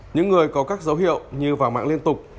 những người có các dấu hiệu như vào mạng liên tục